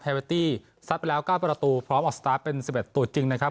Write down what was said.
เวตี้ซัดไปแล้ว๙ประตูพร้อมออกสตาร์ทเป็น๑๑ตัวจริงนะครับ